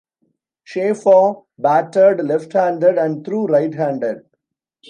Schaefer batted left-handed and threw right-handed.